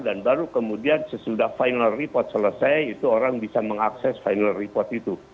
dan baru kemudian sesudah final report selesai itu orang bisa mengakses final report itu